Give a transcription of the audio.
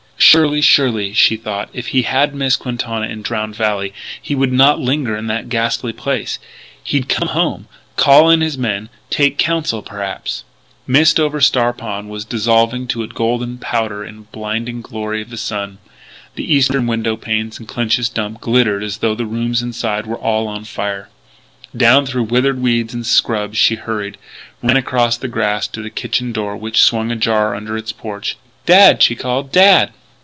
Surely, surely, she thought, if he had missed Quintana in Drowned Valley he would not linger in that ghastly place; he'd come home, call in his men, take counsel perhaps Mist over Star Pond was dissolving to a golden powder in the blinding glory of the sun. The eastern window panes in Clinch's Dump glittered as though the rooms inside were all on fire. Down through withered weeds and scrub she hurried, ran across the grass to the kitchen door which swung ajar under its porch. "Dad!" she called, "Dad!"